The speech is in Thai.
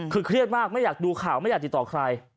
คือเครียดมากไม่อยากดูข่าวไม่อยากติดต่อใคร